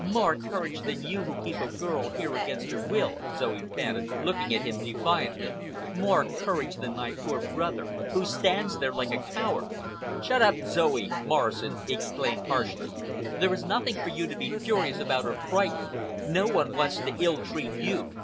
"More courage than you who keep a girl here against her will!" Zoe panted, looking at him defiantly. "More courage than my poor brother, who stands there like a coward!" "Shut up, Zoe!" Morrison exclaimed harshly. "There is nothing for you to be furious about or frightened. No one wants to ill treat you.